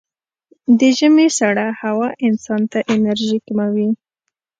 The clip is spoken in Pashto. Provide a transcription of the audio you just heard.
د ژمي سړه هوا انسان ته انرژي کموي.